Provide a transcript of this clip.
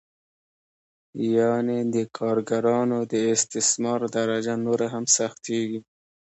یانې د کارګرانو د استثمار درجه نوره هم سختېږي